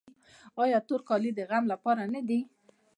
آیا تور کالي د غم لپاره نه دي؟